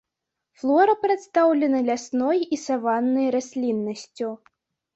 Флора прадстаўлена лясной і саваннай расліннасцю.